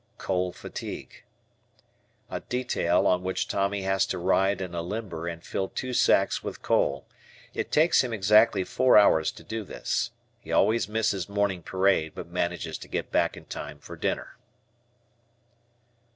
Coal Fatigue. A detail on which Tommy has to ride in a limber and fill two sacks with coal. It takes him exactly four hours to do this. He always misses morning parade, but manages to get back in time for dinner.